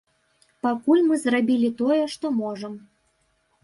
Пакуль мы зрабілі тое, што можам.